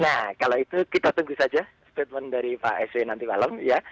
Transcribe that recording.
nah kalau itu kita tunggu saja statement dari pak sw nanti malam ya